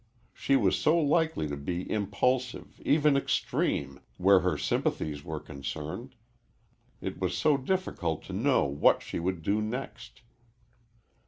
She was so likely to be impulsive, even extreme, where her sympathies were concerned. It was so difficult to know what she would do next.